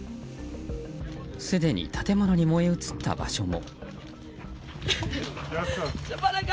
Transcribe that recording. すでに建物に燃え移った場所も。